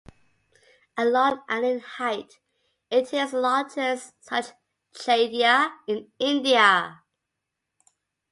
At long and in height, it is the largest such chaitya in India.